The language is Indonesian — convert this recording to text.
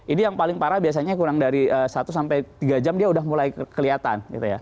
ini yang paling parah biasanya kurang dari satu sampai tiga jam dia udah mulai kelihatan